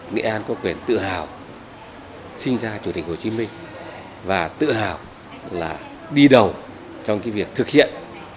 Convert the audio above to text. nghệ an có quyền tự hào sinh ra chủ tịch hồ chí minh và tự hào là đi đầu trong việc thực hiện